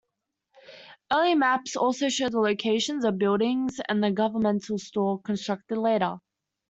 Early maps also show the locations of buildings, and a Governmental store, constructed later.